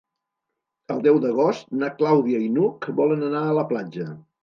El deu d'agost na Clàudia i n'Hug volen anar a la platja.